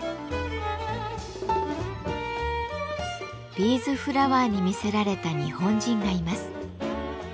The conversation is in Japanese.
ビーズフラワーに魅せられた日本人がいます。